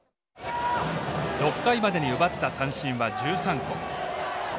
６回までに奪った三振は１３個。